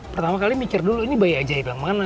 pertama kali mikir dulu ini bayi ajaib yang mana